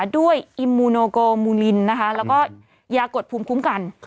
อิมมูโนโกมูลินแล้วก็ยากดภูมิคุ้มกัน